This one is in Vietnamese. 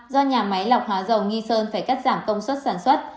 do nhà máy lọc hóa dầu nghi sơn phải cắt giảm công suất sản xuất